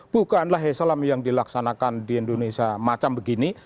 bukanlah islam yang dilaksanakan di indonesia macam begini